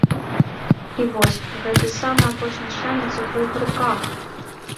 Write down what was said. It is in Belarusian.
І вось, гэты самы апошні шанец у тваіх руках!